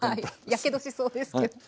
やけどしそうですけど。